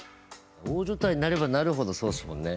大所帯になればなるほどそうっすもんね。